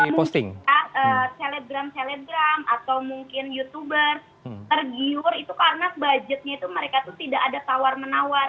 dan mereka itu mungkin celebgram celebgram atau mungkin youtuber tergiur itu karena budgetnya itu mereka itu tidak ada tawar menawar